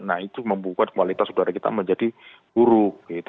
nah itu membuat kualitas udara kita menjadi buruk gitu